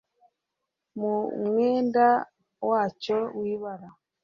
Mu mwenda wacyo wibara